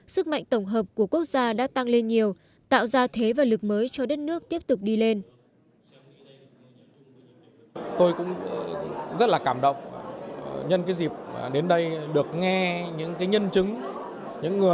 sức mạnh tổng hợp của quốc gia đã tăng lên nhiều tạo ra thế và lực mới cho đất nước tiếp tục đi lên